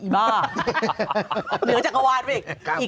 บ้าเหนือจักรวาดว่ะอีกอันโน้นเลยใช่ไหม